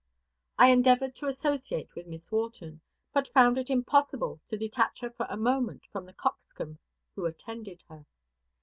I endeavored to associate with Miss Wharton, but found it impossible to detach her a moment from the coxcomb who attended her.